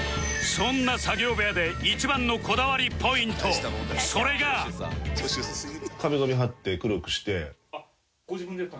そんな作業部屋で一番のこだわりポイントそれがあっご自分でやった？